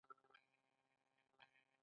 په ولسوالیو کې هم باید منظم اداري تشکیلات وي.